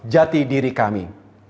jati diri kami